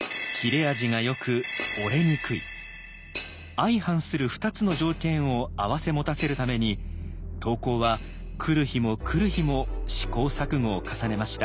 相反する２つの条件を併せ持たせるために刀工は来る日も来る日も試行錯誤を重ねました。